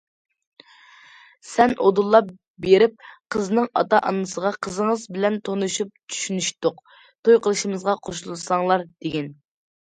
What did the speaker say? سەن ئۇدۇللا بېرىپ قىزنىڭ ئاتا- ئانىسىغا:« قىزىڭىز بىلەن تونۇشۇپ چۈشىنىشتۇق، توي قىلىشىمىزغا قوشۇلساڭلار» دېگىن!